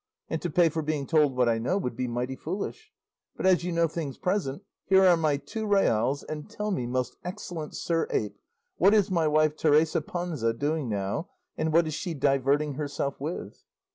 And to pay for being told what I know would be mighty foolish. But as you know things present, here are my two reals, and tell me, most excellent sir ape, what is my wife Teresa Panza doing now, and what is she diverting herself with?"